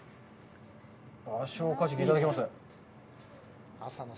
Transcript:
バショウカジキ、いただきます。